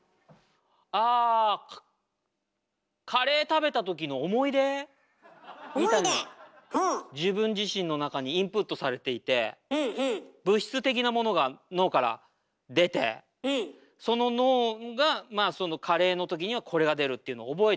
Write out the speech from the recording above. みたいなのが自分自身の中にインプットされていて物質的なものが脳から出てその脳がまあそのカレーの時にはこれが出るっていうのを覚えちゃってるんで。